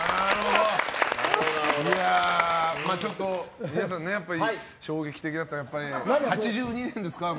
ちょっと、皆さん衝撃的だったのは８２年ですか？